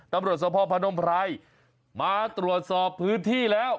ตำรวจสภพนมไพรมาตรวจสอบพื้นที่แล้ว